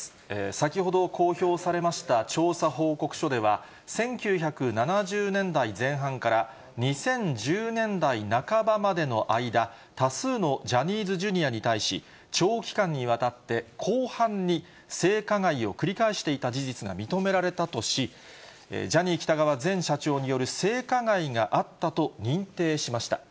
先ほど公表されました調査報告書では、１９７０年代前半から２０１０年代半ばまでの間、多数のジャニーズＪｒ．に対し、長期間にわたって広範に性加害を繰り返していた事実が認められたとし、ジャニー喜多川前社長による性加害があったと認定しました。